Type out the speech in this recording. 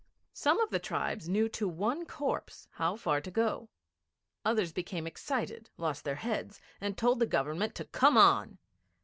Some of the tribes knew to one corpse how far to go. Others became excited, lost their heads, and told the Government to come on.